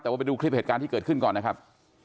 แต่ว่าไปดูคลิปเหตุการณ์ที่เกิดขึ้นก่อนนะครับ